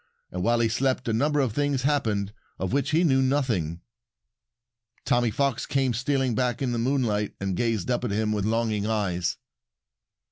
And while he slept a number of things happened of which he knew nothing. Tommy Fox came stealing back in the moonlight and gazed up at him with longing eyes.